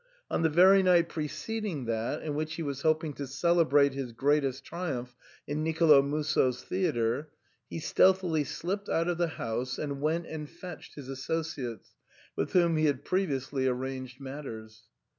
On the very night preceding that in which he was hoping to celebrate his greatest triumph in Nicolo Musso's theatre, he stealthily slipped out of the house and went and fetched his associates, with whom he had previously arranged matters.